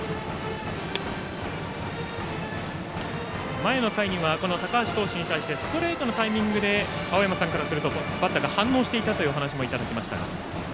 前の回には高橋投手に対してストレートのタイミングで青山さんからするとバッターが反応していたというお話もいただきましたが。